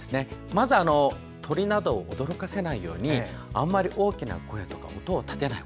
まずは鳥などを驚かせないようにあまり大きな音を立てない。